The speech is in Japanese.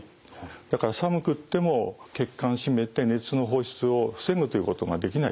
だから寒くっても血管締めて熱の放出を防ぐということができない。